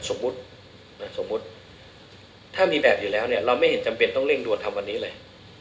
สมมุติสมมุติถ้ามีแบบอยู่แล้วเนี่ยเราไม่เห็นจำเป็นต้องเร่งด่วนทำวันนี้เลย